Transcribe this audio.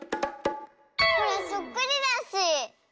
ほらそっくりだし！